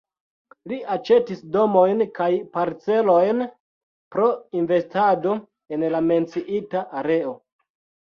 Li aĉetis domojn kaj parcelojn pro investado en la menciita areo.